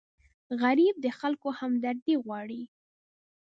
غریب د خلکو همدردي غواړي